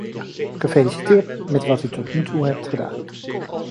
Gefeliciteerd met wat u tot nog toe hebt gedaan.